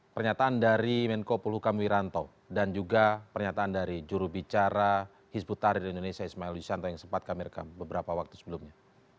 pernyataan dari menko polhukam wiranto dan juga pernyataan dari jurubicara hizbut tahrir indonesia ismail wisanta yang sempat kami rekam beberapa waktu sebelumnya